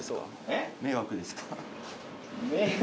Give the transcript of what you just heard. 迷惑ですか？